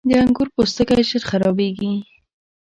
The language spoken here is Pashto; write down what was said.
• د انګور پوستکی ژر خرابېږي.